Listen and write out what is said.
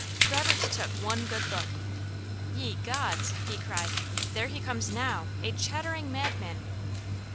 Robert took one good look. "Ye Gods!" he cried. "There he comes now, a chattering madman!"